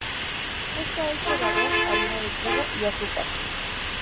Está hecho de arroz, harina de trigo y azúcar.